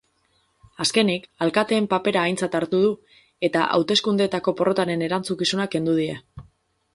Azkenik, alkateen papera aintzat hartu du eta hauteskundeetako porrotaren erantzukizuna kendu die.